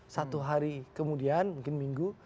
satu hari kemudian mungkin minggu